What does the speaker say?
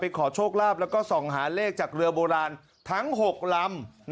ขอโชคลาภแล้วก็ส่องหาเลขจากเรือโบราณทั้ง๖ลำ